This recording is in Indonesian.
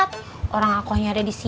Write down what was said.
tunggu dulu dulu sudah